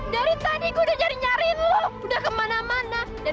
dari tadi kudocor nyariin lu udah kemana mana dan